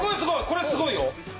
これすごいよ！